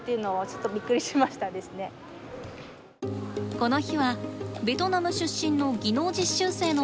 この日はベトナム出身の技能実習生のもとを訪れました。